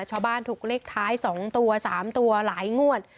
ชาวบ้านถูกเลขท้าย๒ตัว๓ตัวหลายงวด